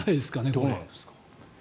どうなんですか？